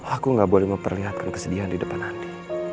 aku gak boleh memperlihatkan kesedihan di depan hati